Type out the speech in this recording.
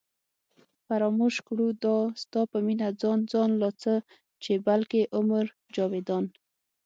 فراموش کړو دا ستا په مینه ځان ځان لا څه چې بلکې عمر جاوېدان